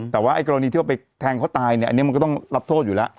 แต่ว่าไอ้กรณีที่ว่าไปแทงเขาตายเนี่ยอันนี้มันก็ต้องรับโทษอยู่แล้ว